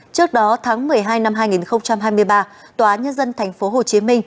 trước đó tháng một mươi hai năm hai nghìn hai mươi ba tòa nhân dân tp hcm